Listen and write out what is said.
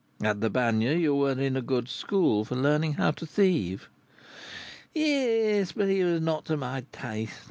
"At the Bagne, you were in a good school for learning how to thieve?" "Yes, but it was not to my taste.